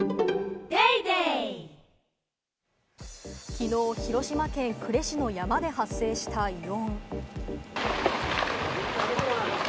昨日、広島県呉市の山で発生した異音。